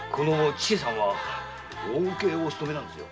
千勢さんは大奥へお勤めなんですよ。